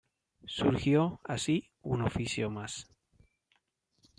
Surgió, así, un oficio más.